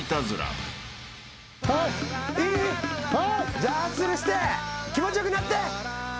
じゃあハッスルして気持ち良くなって！